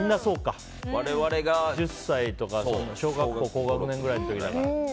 １０歳とか小学校高学年くらいの時だから。